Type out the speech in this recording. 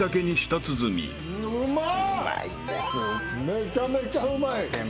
めちゃめちゃうまい。